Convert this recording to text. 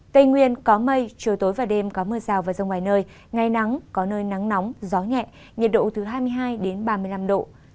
tây nguyên có mây chiều tối và đêm có mưa rào và rông vài nơi ngày nắng có nơi nắng nóng gió nhẹ nhiệt độ từ hai mươi hai ba mươi năm độ